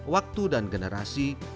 waktu dan generasi